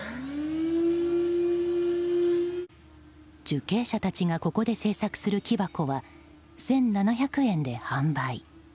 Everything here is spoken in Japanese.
受刑者たちが、ここで製作する木箱は１７００円で販売。